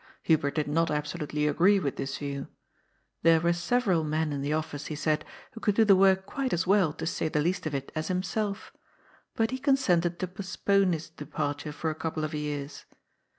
Hubert did not absolutely agree with this view. There were several men in the office, he said, who could do the work quite as well, to say the least of it, as himself. But he consented to postpone his departure for a couple of years.